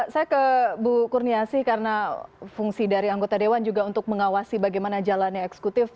saya ke bu kurniasih karena fungsi dari anggota dewan juga untuk mengawasi bagaimana jalannya eksekutif